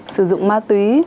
sử dụng ma túy